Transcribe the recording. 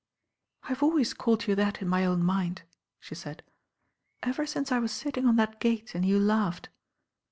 "I've always called you that in my own mind," she said. "Ever since I was sitting on that gate and you laughed."